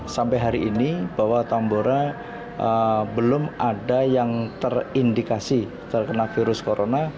sampai hari ini bahwa tambora belum ada yang terindikasi terkena virus corona